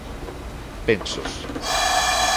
Pensos